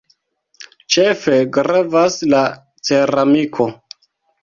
Ĉefe gravas la ceramiko.